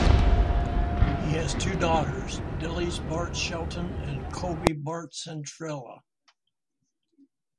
He has two daughters, Dilys Bart Shelton and Colby Bart Centrella.